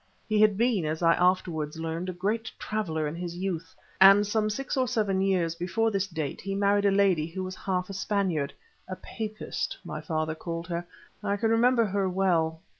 He had been, as I afterwards learned, a great traveller in his youth, and some six or seven years before this date he married a lady who was half a Spaniard—a papist, my father called her. I can remember her well.